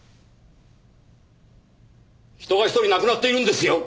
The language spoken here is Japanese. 人が一人亡くなっているんですよ！